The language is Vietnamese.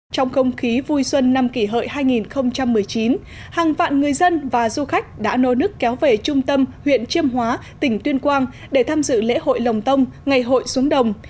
trong không khí vui xuân năm kỷ hợi hai nghìn một mươi chín hàng vạn người dân và du khách đã nô nức kéo về trung tâm huyện chiêm hóa tỉnh tuyên quang để tham dự lễ hội lồng tông ngày hội xuống đồng